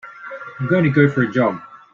I'm going to go for a jog.